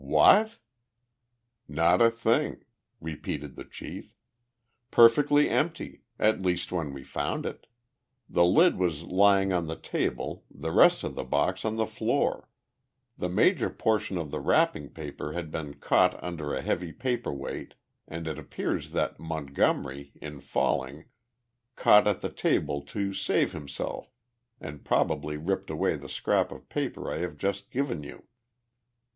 "What?" "Not a thing!" repeated the chief. "Perfectly empty at least when we found it. The lid was lying on the table, the rest of the box on the floor. The major portion of the wrapping paper had been caught under a heavy paper weight and it appears that Montgomery, in falling, caught at the table to save himself and probably ripped away the scrap of paper I have just given you."